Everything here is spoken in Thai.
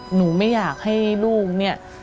หนูไม่อยากให้ลูกเนี่ย